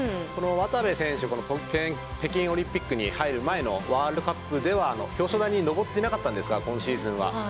渡部選手は北京オリンピックに入る前のワールドカップでは表彰台に上っていなかったんですが今シーズンは。